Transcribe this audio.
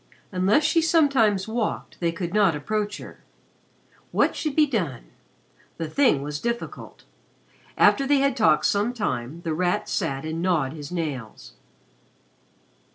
Unless she sometimes walked, they could not approach her. What should be done? The thing was difficult. After they had talked some time, The Rat sat and gnawed his nails.